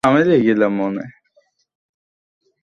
এসব সময়ে ঝামেলা এড়িয়ে চলা উচিত।